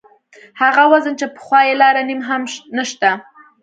هغه وزن چې پخوا یې لاره نیم هم نشته.